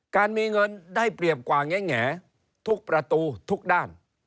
การมีเงินได้เปรียบกว่าแงทุกประตูทุกด้าน